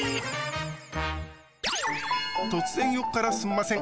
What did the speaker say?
突然横からすんません。